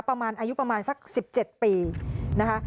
ประมาณอายุประมาณสัก๑๗ปีนะคะ